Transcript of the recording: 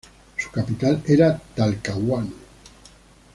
Su capital era Talcahuano.